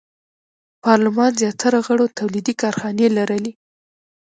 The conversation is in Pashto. پارلمان زیاتره غړو تولیدي کارخانې لرلې.